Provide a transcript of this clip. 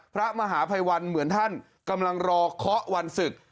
พระมหาภัยวันเหมือนท่านกำลังรอเคาะวันศึก